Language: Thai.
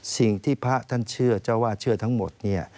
สิ่งที่พระท่านเชื่อเจ้าว่าเชื่อทั้งหมดเนี่ย